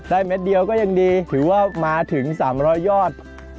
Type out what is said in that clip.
ได้เม็ดเดียวก็ยังดีถือว่ามาถึงสามรอยอด